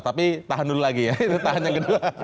tapi tahan dulu lagi ya itu tahan yang kedua